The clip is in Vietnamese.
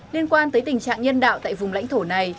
liên quan tới tình trạng nhân đạo tại vùng lãnh thổ này